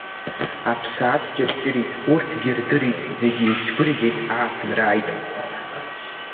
Аԥсаатә ҷырҷырит, урҭгьы ирдырит, зегь еицгәырӷьеит Ааԥынра ааит.